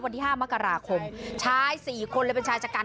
วันที่๕มกราคมชายสี่คนเลยเป็นชายชะกัน